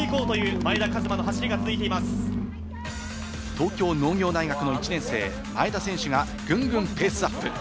東京農業大学の１年生・前田選手がぐんぐんペースアップ。